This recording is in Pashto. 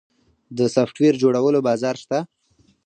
د سافټویر جوړولو بازار شته؟